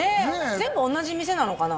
全部同じ店なのかな？